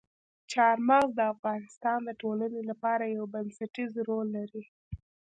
چار مغز د افغانستان د ټولنې لپاره یو بنسټيز رول لري.